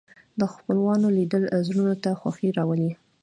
د خپلوانو لیدل زړونو ته خوښي راولي